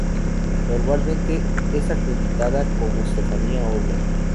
Normalmente es acreditada como Stefania Owen.